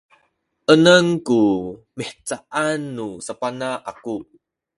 enem ku mihcaan nu sabana aku